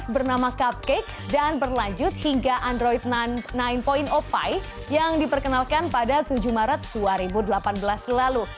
bernama cupcake dan berlanjut hingga android sembilan opi yang diperkenalkan pada tujuh maret dua ribu delapan belas lalu